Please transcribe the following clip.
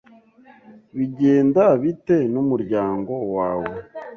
Bigenda bite n'umuryango wawe?